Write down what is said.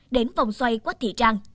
đến vòng xoay quách thị trang